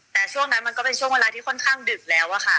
แต่ช่วงนั้นมันก็เป็นช่วงเวลาที่ค่อนข้างดึกแล้วอะค่ะ